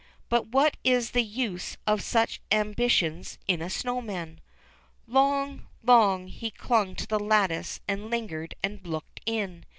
But what is the use of such an^bitions in a snow man ? Long, long, he clung to the lattice and lingered and looked in.